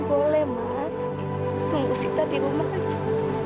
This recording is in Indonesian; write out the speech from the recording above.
boleh mas tunggu sita di rumah aja